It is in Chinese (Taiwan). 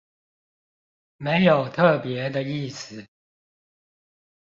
沒有特別的意思